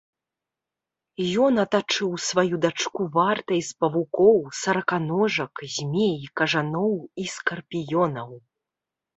Ён атачыў сваю дачку вартай з павукоў, сараканожак, змей, кажаноў і скарпіёнаў.